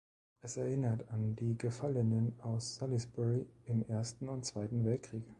Es erinnert an die Gefallenen aus Salisbury im Ersten und Zweiten Weltkrieg.